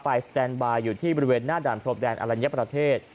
สแตนบายอยู่ที่บริเวณหน้าด่านพรมแดนอลัญญประเทศ